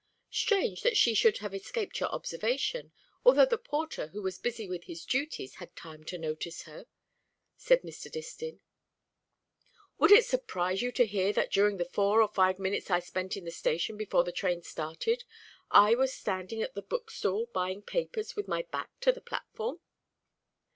"Strange that she should have escaped your observation, although the porter who was busy with his duties had time to notice her," said Mr. Distin. "Would it surprise you to hear that during the four or five minutes I spent in the station before the train started I was standing at the bookstall buying papers, with my back to the platform?"